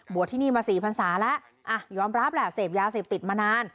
ที่นี่มาสี่พันศาแล้วอ่ะยอมรับแหละเสพยาเสพติดมานาน